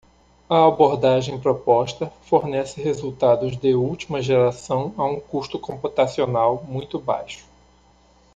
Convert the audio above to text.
A abordagem proposta fornece resultados de última geração a um custo computacional muito baixo.